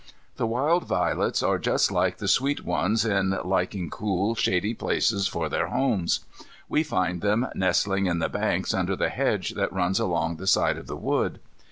The wild violets are just like the sweet ones in liking cool, shady places for their homes. We find them nestling in the banks under the hedge that runs along the side of the wood.